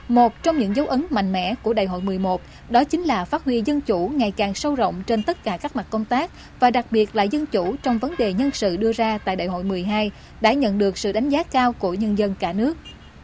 một trong những dấu ấn mạnh mẽ của đại hội một mươi một đó chính là phát huy dân chủ ngày càng sâu rộng trên tất cả các mặt công tác và đặc biệt là dân chủ trong vấn đề nhân sự đưa ra tại đại hội một mươi hai đã nhận được sự đánh giá cao của nhân dân cả nước